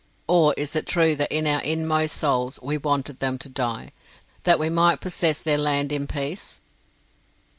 Or is it true that in our inmost souls we wanted them to die, that we might possess their land in peace?